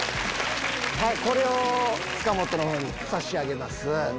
これを塚本の方に差し上げます。